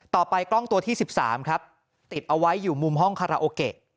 กล้องตัวที่๑๓ครับติดเอาไว้อยู่มุมห้องคาราโอเกะ